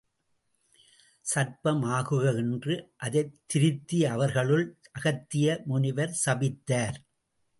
சர்ப்பம் ஆகுக என்று அதைத் திருத்தி அவர்களுள் அகத்திய முனிவர் சபித்தார்.